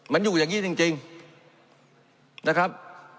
มันอยู่อย่างนี้จริงนะครับ